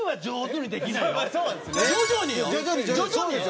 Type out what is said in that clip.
徐々によ！